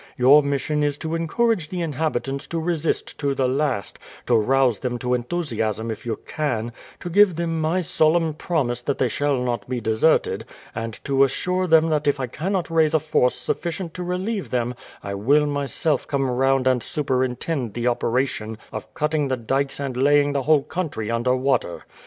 Your mission is to encourage the inhabitants to resist to the last, to rouse them to enthusiasm if you can, to give them my solemn promise that they shall not be deserted, and to assure them that if I cannot raise a force sufficient to relieve them I will myself come round and superintend the operation of cutting the dykes and laying the whole country under water.